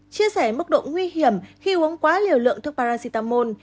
chia sẻ mức độ nguy hiểm khi uống quá liều lượng thuốc paracetamol